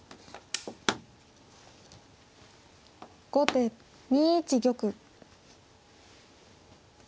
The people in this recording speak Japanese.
後手２一玉。